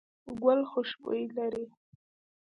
ګل خوشبويي لري.